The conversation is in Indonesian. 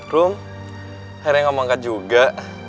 rum akhirnya kamu angkat juga